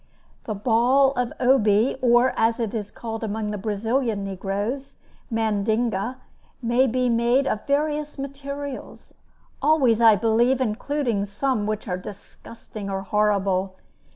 The ball of Obi or, as it is called among the Brazilian negroes, Mandinga may be made of various materials, always, I believe, including some which are disgusting or horrible.